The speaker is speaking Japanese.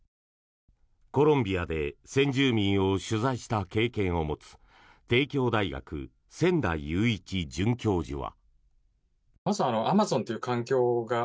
コロンビアで先住民を取材した経験を持つ帝京大学、千代勇一准教授は。